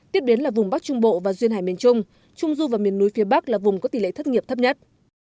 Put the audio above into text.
tiếp đến là vùng bắc trung bộ và duyên hải miền trung trung du và miền núi phía bắc là vùng có tỷ lệ thất nghiệp thấp nhất